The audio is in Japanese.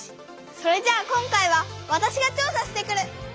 それじゃあ今回はわたしが調さしてくる！